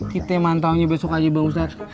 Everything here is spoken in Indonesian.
kita mantau nya besok aja bang ustadz